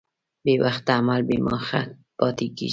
بېوخته عمل بېموخه پاتې کېږي.